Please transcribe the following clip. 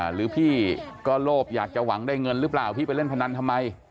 หรือพี่ก็โลภอยากจะหวังได้เงินหรือเปล่าพี่ไปเล่นพนันทำไม